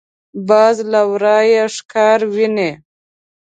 باز له ورايه ښکار ویني